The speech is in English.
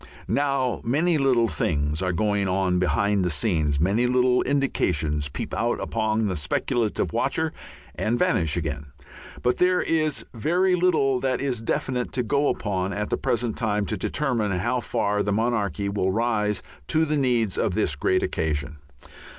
Now many things are going on behind the scenes, many little indications peep out upon the speculative watcher and vanish again; but there is very little that is definite to go upon at the present time to determine how far the monarchy will rise to the needs of this great occasion.